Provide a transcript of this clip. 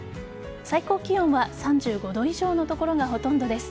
最高気温は３５度以上の所がほとんどです。